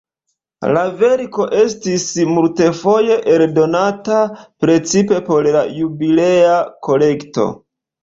La verko estis multfoje eldonata, precipe por la Jubilea Kolekto.